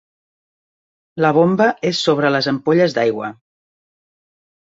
La bomba és sobre les ampolles d'aigua.